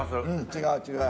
違う違う。